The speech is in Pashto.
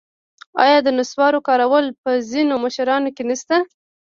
آیا د نصوارو کارول په ځینو مشرانو کې نشته؟